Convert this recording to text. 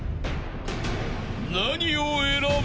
［何を選ぶ？］